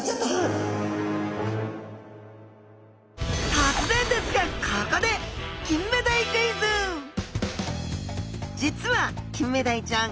突然ですがここで実はキンメダイちゃん